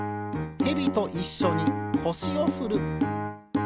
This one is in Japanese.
ヘビといっしょにこしをふる。